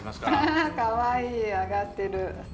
かわいい上がってる。